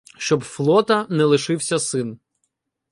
Щоб флота не лишився син.